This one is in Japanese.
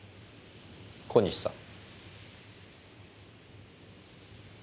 小西さん。